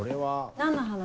何の話？